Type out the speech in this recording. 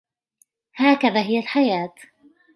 هكذا هي الحياة.